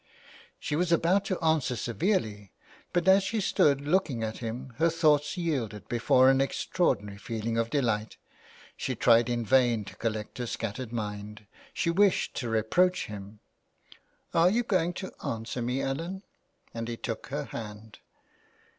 319 THE WILD GOOSE. She was about to answer severely but as she stood looking at him her thoughts yielded before an ex traordinary feeling of delight ; she tried in vain to col lect her scattered mind — she wished to reproach him. '' Are you going to answer me, Ellen," and he took her hand.